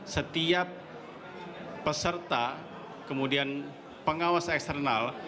setiap peserta kemudian pengawas eksternal